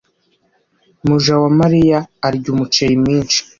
Mujawamariya arya umuceri mwinshi.